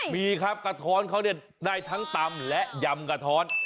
มีครับกระท้อนเขาเนี่ยได้ทั้งตำและยำกระท้อน